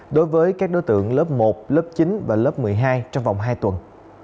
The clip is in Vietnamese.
đối với các đối tượng lớp một lớp chín và lớp một mươi hai trong vòng hai tuần